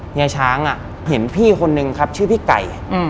เฮียช้างเห็นพี่คนนึงครับชื่อพี่ไก่